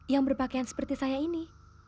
yang berpakaian seperti saya ini